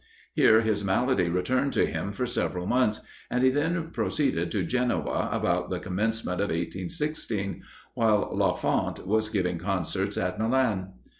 Here his malady returned to him for several months, and he then proceeded to Genoa, about the commencement of 1816, while Lafont was giving concerts at Milan.